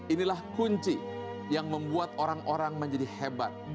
inilah kunci yang membuat orang orang menjadi hebat